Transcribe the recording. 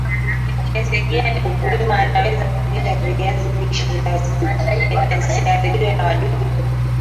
ni jinsi gani mkulima anaweza kulinda viazi lishe visiharibiwe na wadudu